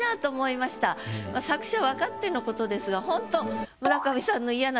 作者分かってのことですがホント。